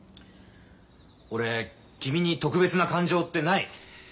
俺君に特別な感情ってない。